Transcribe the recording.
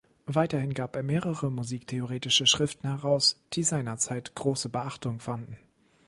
Weiterhin gab er mehrere musiktheoretische Schriften heraus, die seinerzeit große Beachtung fanden.